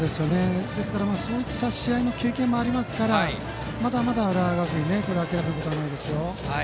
ですから、そういった試合の経験もあるのでまだまだ、浦和学院は諦めることはないですよ。